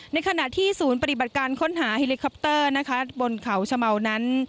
ในขณะที่ศูนย์ปฏิบัติการค้นหาเฮลิคอปเตอร์นะคะบนเขาชะเมานั้น